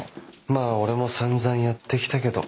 まあ俺もさんざんやってきたけど。